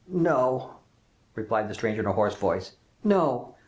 "No," replied the stranger in a hoarse voice; "no!